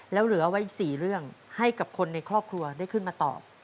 แล้วเหลือไว้อีก๔เรื่องให้กับคนในครอบครัวได้ขึ้นมาตอบ